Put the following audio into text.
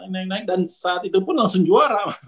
naik naik dan saat itu pun langsung juara